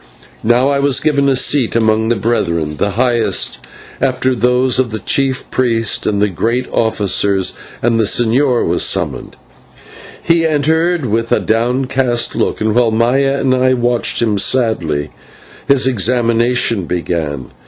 Now I was given a seat among the Brethren the highest, indeed, after those of the chief priest and the great officers and the señor was summoned. He entered with a downcast look, and while Maya and I watched him sadly, his examination began.